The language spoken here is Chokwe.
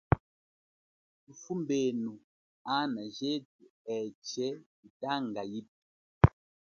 Thufumbenu ana jethu etshee yitanga yipi.